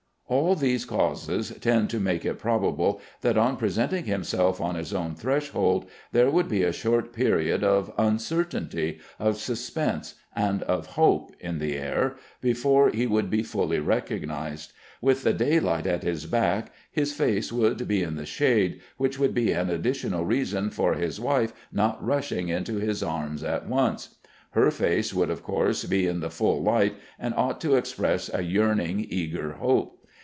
All these causes tend to make it probable that on presenting himself on his own threshold, there would be a short period of uncertainty, of suspense, and of hope in the air, before he would be fully recognized. With the daylight at his back, his face would be in the shade, which would be an additional reason for his wife not rushing into his arms at once. Her face would, of course, be in the full light, and ought to express a yearning, eager hope.